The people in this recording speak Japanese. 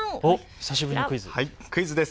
久しぶりにクイズです。